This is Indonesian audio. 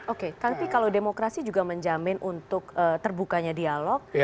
oke kang tapi kalau demokrasi juga menjamin untuk terbukanya dialog